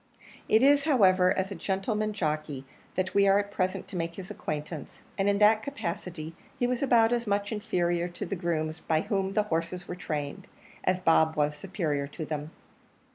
It is, however, as a gentleman jockey that we are at present to make his acquaintance, and in that capacity he was about as much inferior to the grooms by whom the horses were trained as Bob was superior to them.